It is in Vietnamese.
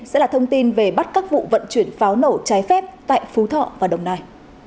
sẽ là thông tin về bắt các vụ vận chuyển pháo nổ trái phép tại phú thọ và đồng nai